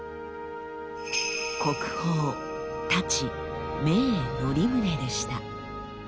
国宝「太刀銘則宗」でした。